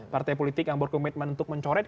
partai politik yang berkomitmen untuk mencoret